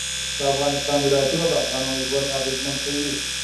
د افغانستان ولايتونه د افغانانو ژوند اغېزمن کوي.